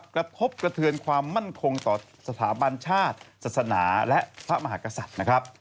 กระทบกระเทือนความมั่นคงต่อสถาบันชาติศาสนาและพระมหากษัตริย์นะครับ